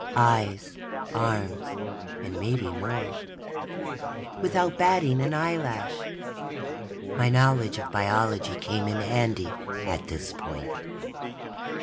Eyes, arms and maybe more. Without batting an eyelash. My knowledge of biology came in handy, at this point.